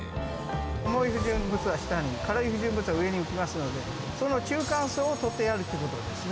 重い不純物は下に軽い不純物は上に浮きますのでその中間層を取ってやるということですね。